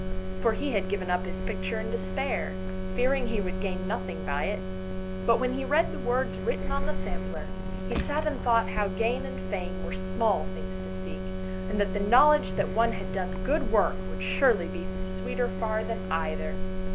For he had given up his picture in despair, fearing he would gain nothing by it, but when he read the words written on the sampler, he sat and thought how gain and fame were small things to seek, and that the knowledge that one had done some good work would surely be sweeter far than either.